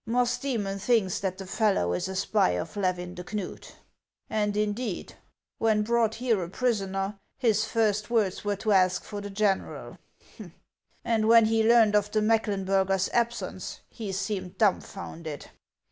Musdo'mon thinks that the fellow is a spy of Levin de Knud. And indeed, when brought here a prisoner, his first words were to ask for the general ; HAXS OF ICELAND. 427 and when he learned of the Mecklenburger's absence, he seemed duinfounded.